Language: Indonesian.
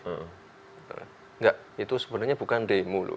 nggak itu sebenarnya bukan demo